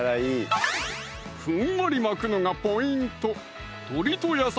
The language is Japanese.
ふんわり巻くのがポイント